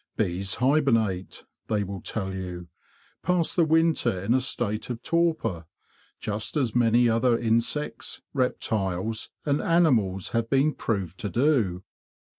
Bees hibernate, they will tell you—pass the winter in a state of torpor, just as many other insects, reptiles, and animals have been proved to do.